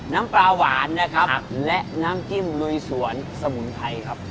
น้ำปลาหวานนะครับและน้ำจิ้มลุยสวนสมุนไพรครับ